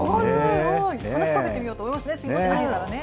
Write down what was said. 話しかけてみようと思いますね。